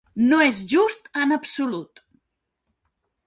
No és just en absolut!